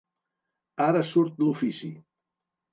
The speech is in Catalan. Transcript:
Ara surt l'ofici!